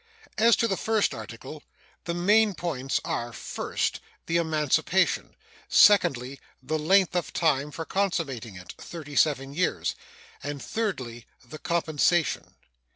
As to the first article, the main points are, first, the emancipation; secondly, the length of time for consummating it (thirty seven years); and, thirdly, the compensation.